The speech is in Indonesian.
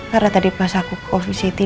karena tadi pas aku ke ofisiti